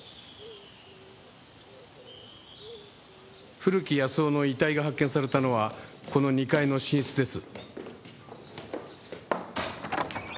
古木保男の遺体が発見されたのはこの２階の寝室です。